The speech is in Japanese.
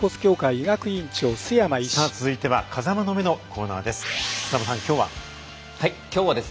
続いては「風間の目」のコーナーです。